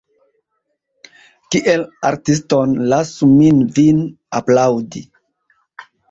Kiel artiston lasu min vin aplaŭdi.